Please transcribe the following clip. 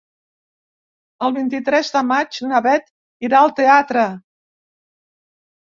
El vint-i-tres de maig na Beth irà al teatre.